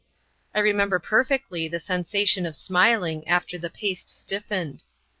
I remember perfectly the sensation of smiling, after the paste stiffened.